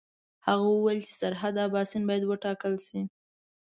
هغه وویل چې سرحد اباسین باید وټاکل شي.